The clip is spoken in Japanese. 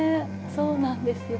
そうなんですよ。